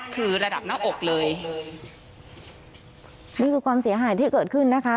คือระดับหน้าอกเลยนี่คือความเสียหายที่เกิดขึ้นนะคะ